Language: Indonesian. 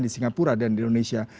di singapura dan di indonesia